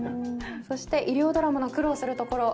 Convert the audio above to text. そして医療ドラマの苦労するところ。